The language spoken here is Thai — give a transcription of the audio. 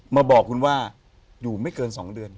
มาบอกคุณว่าอยู่ไม่เกิน๒เดือน